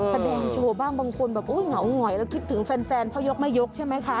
แสดงโชว์บ้างบางคนแบบเหงาหงอยแล้วคิดถึงแฟนเพราะยกไม่ยกใช่ไหมคะ